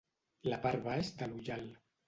La part baix de l'ullal.